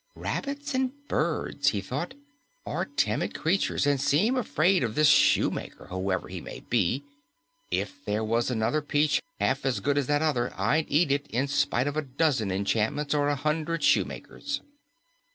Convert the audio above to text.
"Rabbits and birds," he thought, "are timid creatures and seem afraid of this shoemaker, whoever he may be. If there was another peach half as good as that other, I'd eat it in spite of a dozen enchantments or a hundred shoemakers!"